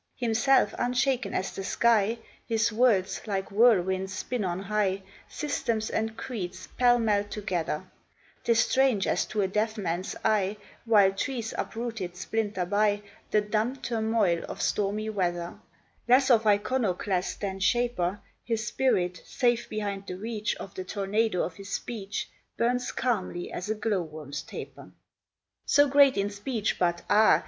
Himself unshaken as the sky, His words, like whirlwinds, spin on high Systems and creeds pellmell together; 'Tis strange as to a deaf man's eye, While trees uprooted splinter by, The dumb turmoil of stormy weather; Less of iconoclast than shaper, His spirit, safe behind the reach Of the tornado of his speech, Burns calmly as a glowworm's taper. So great in speech, but, ah!